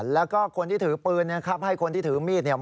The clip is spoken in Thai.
แล้วก็คนที่ถือปืนนะครับให้คนที่ถือมีดเนี่ย